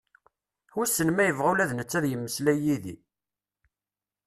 Wisen ma yebɣa ula d netta ad yemeslay d yid-i?